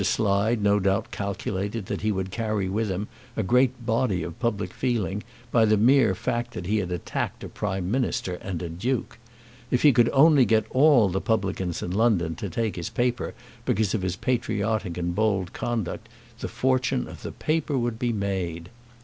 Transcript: Slide no doubt calculated that he would carry with him a great body of public feeling by the mere fact that he had attacked a Prime Minister and a Duke. If he could only get all the publicans in London to take his paper because of his patriotic and bold conduct, the fortune of the paper would be made.